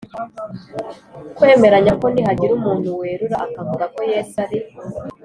kwemeranya ko nihagira umuntu werura akavuga ko Yesu ari